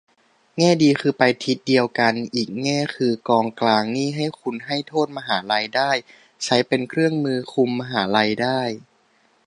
แง่ดีคือไปทิศเดียวกัน อีกแง่คือกองกลางนี้ให้คุณให้โทษมหาลัยได้ ใช้เป็นเครื่องมือคุมมหาลัยได้